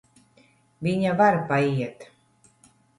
Viņa var paiet.